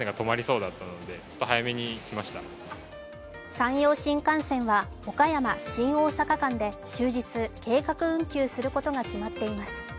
山陽新幹線は岡山−新大阪間で終日計画運休することが決まっています。